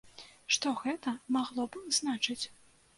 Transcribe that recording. Што гэта магло б значыць?